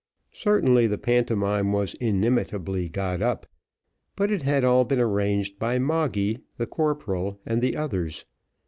Certainly, the pantomime was inimitably got up, but it had all been arranged by Moggy, the corporal, and the others.